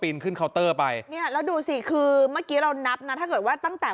แล้วเดินขึ้นเคาร์ว่าจะไปแล้วดูซิคือฯเมื่อกี้เรานับนะถ้าเกิดว่าตั้งแต่